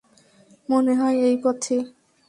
মনে হয় এই পথে।